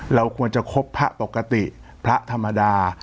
เราควรจะคบพระปกติพระธรรมดา